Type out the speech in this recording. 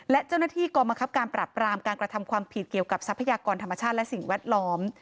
และเจ้าหน้าที่กรมคับการปรับปรามการกระทำความผิดเกี่ยวกับทรัพยากรธรรมชาติและสิ่งแวดล้อม